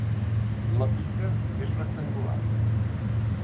La pica és rectangular.